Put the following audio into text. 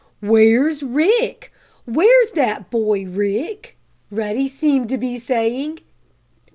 "Where's Rick? Where's that boy Rick?" Ruddy seemed to be saying.